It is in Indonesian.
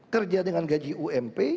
kerja dengan gaji ump